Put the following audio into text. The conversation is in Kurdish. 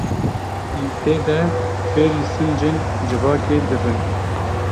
Em tê de, fêrî sincên civakê dibin.